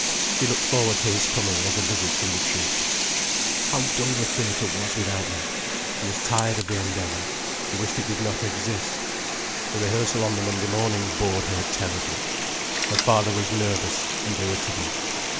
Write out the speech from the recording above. She looked forward to his coming as to a visit from the troupe. How dull the theatre was without them! She was tired of the Endeavour. She wished it did not exist. The rehearsal on the Monday morning bored her terribly. Her father was nervous and irritable.